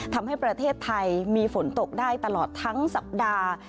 ทำให้ประเทศไทยมีฝนตกได้ตลอดทั้งสัปดาห์